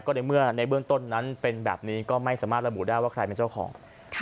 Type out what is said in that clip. ในเมื่อในเบื้องต้นนั้นเป็นแบบนี้ก็ไม่สามารถระบุได้ว่าใครเป็นเจ้าของ